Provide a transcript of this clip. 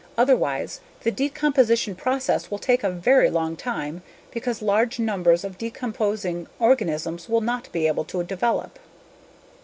Otherwise, the decomposition process will take a very long time because large numbers of decomposing organisms will not be able to develop.